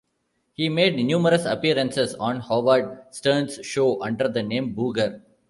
He made numerous appearances on Howard Stern's show under the name Booger.